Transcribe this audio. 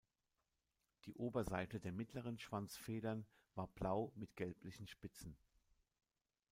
Die Oberseite der mittleren Schwanzfedern war blau mit gelblichen Spitzen.